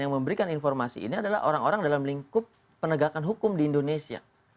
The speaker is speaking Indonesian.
yang memberikan informasi ini adalah orang orang dalam lingkup penegakan hukum di indonesia